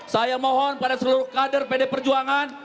saya mohon pada seluruh kader pd perjuangan